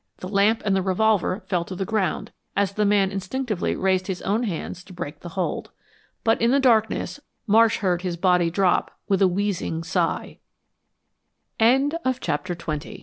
The lamp and the revolver fell to the ground as the man instinctively raised his own hands to break the hold. But in the darkness Marsh heard his body drop with a wheezing sigh. CHAPTER XXI THE CHIMNEY THAT WOULDN'T DRAW